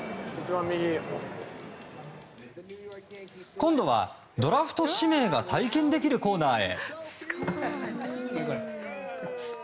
今度は、ドラフト指名が体験できるコーナーへ。